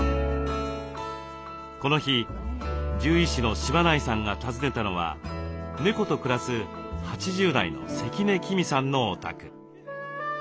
この日獣医師の柴内さんが訪ねたのは猫と暮らす８０代の関根喜美さんのお宅。